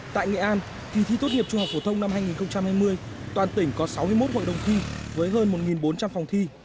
tại nghệ an kỳ thi tốt nghiệp trung học phổ thông năm hai nghìn hai mươi toàn tỉnh có sáu mươi một hội đồng thi với hơn một bốn trăm linh phòng thi